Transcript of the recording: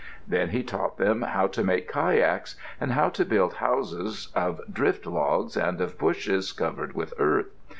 Then he taught them how to make kayaks, and how to build houses of drift logs and of bushes, covered with earth.